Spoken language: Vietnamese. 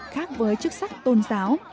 khác với chức sắc tôn giáo